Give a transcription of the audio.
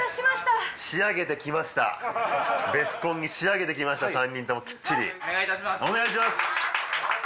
ベスコンに仕上げてきました３人ともきっちり・お願いいたします